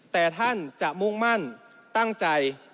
แต่ท่านจะมุ่งมั่นตั้งใจ